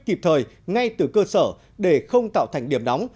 kịp thời ngay từ cơ sở để không tạo thành điểm nóng